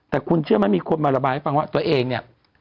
แต่คุณเชื่อไหมมีคนมาระบายให้ฟังว่าตัวเองเนี่ย